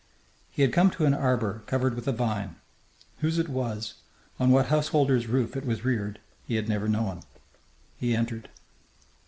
He had come to an arbour covered with a vine. Whose it was, on what house holder's roof it was reared, he had never known. He entered.